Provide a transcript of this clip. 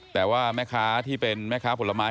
แต่ว่าแม่ค้าที่เป็นแม่ค้าผลไม้